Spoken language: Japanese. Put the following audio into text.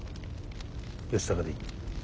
義高でいい。